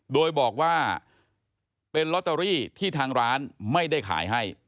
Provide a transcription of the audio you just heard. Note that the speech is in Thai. โดยบอกว่าเป็นลอตเตอรี่ที่ทางร้านไม่ได้ขายให้